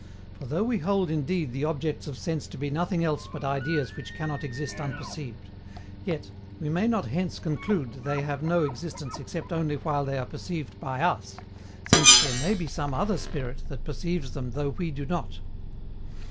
For, though we hold indeed the objects of sense to be nothing else but ideas which cannot exist unperceived; yet we may not hence conclude they have no existence except only while they are perceived by US, since THERE MAY BE SOME OTHER SPIRIT THAT PERCEIVES THEM THOUGH WE DO NOT.